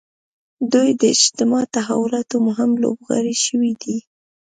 دوی د اجتماعي تحولاتو مهم لوبغاړي شوي دي.